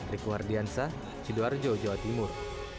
riku hardiansa sidoarjo jawa timur